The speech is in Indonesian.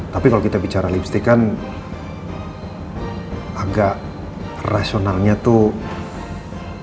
tapi kalau kita bicara lipstick kan agak rasionalnya tuh